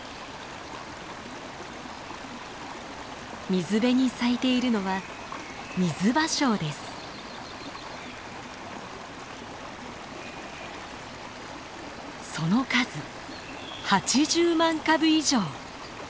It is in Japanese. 水辺に咲いているのはその数８０万株以上。